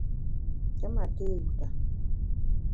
Te ma té yuta.